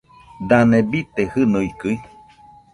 Dane bite jɨnuikɨ?